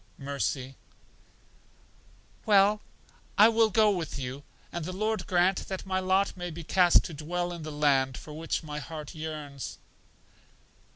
Mercy: Well, I will go with you, and the Lord grant that my lot may be cast to dwell in the land for which my heart yearns.